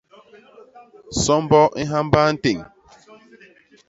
Sombo i nhaba nten.